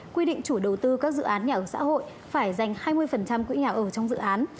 quy định chủ đầu tư các dự án nhà ở xã hội phải dành hai mươi quỹ nhà ở trong dự án